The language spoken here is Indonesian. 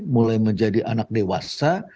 mulai menjadi anak dewasa